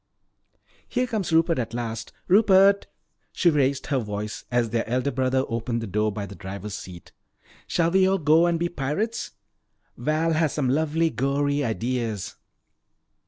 "Here comes Rupert at last. Rupert," she raised her voice as their elder brother opened the door by the driver's seat, "shall we all go and be pirates? Val has some lovely gory ideas."